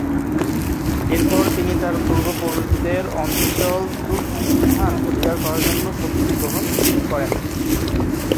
এরপর তিনি তার পূর্বপুরুষদের অঞ্চল তুর্কিস্তান অধিকার করার জন্য প্রস্তুতি গ্রহণ করেন।